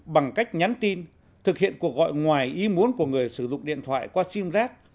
bằng cách nhắn tin thực hiện cuộc gọi ngoài ý muốn của người sử dụng điện thoại qua sim giác